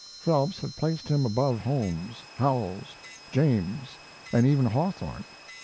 Phelps had placed him above Holmes, Howells, James, and even Hawthorne.